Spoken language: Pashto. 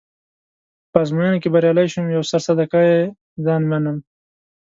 که په ازموینه کې بریالی شوم یو سر صدقه يه ځان منم.